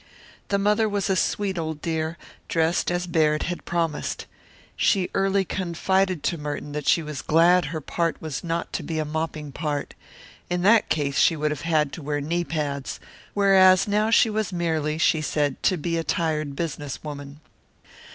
The mother was a sweet old dear, dressed as Baird had promised. She early confided to Merton that she was glad her part was not to be a mopping part. In that case she would have had to wear knee pads, whereas now she was merely, she said, to be a tired business woman.